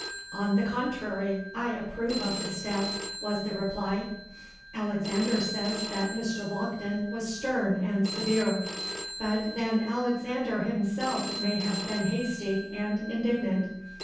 '—'On the contrary, I approve of the step,' was the reply. 'Alexander says that Mr. Walkden was stern and severe; but then Alexander himself may have been hasty and indignant.